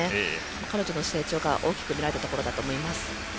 彼女の成長が大きく見られたところだと思います。